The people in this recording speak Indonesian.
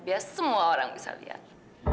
biar semua orang bisa lihat